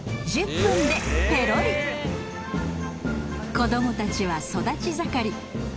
子どもたちは育ち盛り。